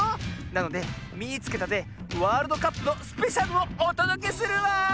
なので「みいつけた！」でワールドカップのスペシャルをおとどけするわ！